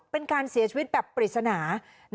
เป็นการเสียชีวิตแบบปริศนา